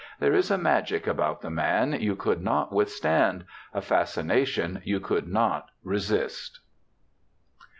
There was a magic about the man j^ou could not withstand ; a fascination you could not resist.'